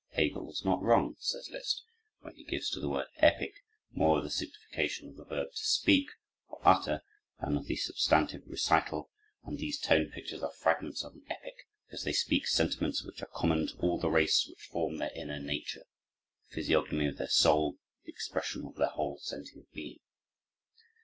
Hegel was not wrong," says Liszt, "when he gives to the word 'epic' more of the signification of the verb 'to speak,' or utter, than of the substantive, 'recital'; and these tone pictures are fragments of an epic, because they speak sentiments which are common to all the race, which form their inner nature, the physiognomy of their soul, the expression of their whole sentient being."